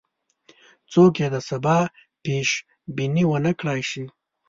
څوک یې د سبا پیش بیني ونه کړای شي.